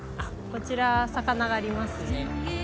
こちら魚がありますね